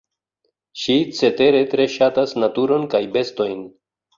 Ŝi cetere tre ŝatas naturon kaj bestojn.